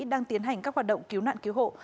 đang tiến hành các hoạt động cứu nạn cứu hộ